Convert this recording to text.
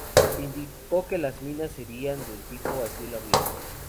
Se indicó que las minas serían del tipo a cielo abierto.